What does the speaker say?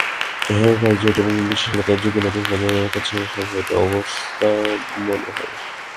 এখনকার জটিল এবং বিশ্বাসহীনতার যুগে নতুন প্রজন্মের কাছে এসব হয়তো অবাস্তব মনে হবে।